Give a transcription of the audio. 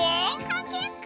かけっこ！